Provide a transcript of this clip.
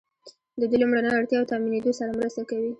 د دوی لومړنیو اړتیاوو تامینیدو سره مرسته کوي.